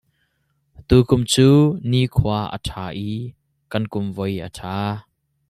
Tukum cu nikhua a ṭha i kan kum voi a ṭha.